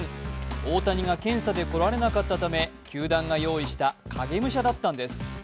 大谷が検査で来られなかったため球団が用意した影武者だったんです。